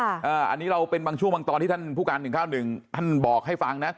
อันนี้เราเป็นบางช่วงบางตอนที่ท่านผู้การ๑๙๑ท่านบอกให้ฟังนะ